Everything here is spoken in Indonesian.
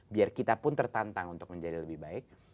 biar kita pun tertantang untuk menjadi lebih baik